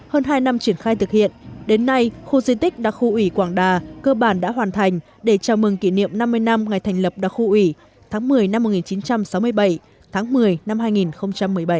hơn hai năm triển khai thực hiện đến nay khu di tích đặc khu ủy quảng đà cơ bản đã hoàn thành để chào mừng kỷ niệm năm mươi năm ngày thành lập đặc khu ủy tháng một mươi năm một nghìn chín trăm sáu mươi bảy tháng một mươi năm hai nghìn một mươi bảy